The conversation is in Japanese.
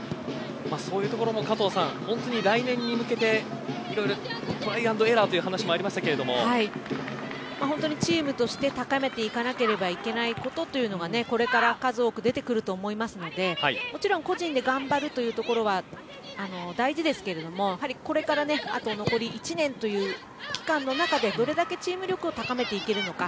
そういうところも来年に向けていろいろトライ＆エラーという話がありましたが本当にチームとして高めていかなければいけないことというのが、これから数多く出てくると思いますのでもちろん個人で頑張るというところは大事ですけれどもこれから、あと残り１年という期間の中でどうやってチーム力を高めていけるのか。